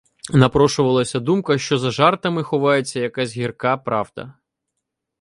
Напрошувалася думка, що за жартами ховається якась гірка правда.